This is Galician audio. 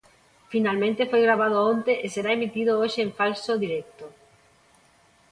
Finalmente, foi gravado onte e será emitido hoxe en falso directo.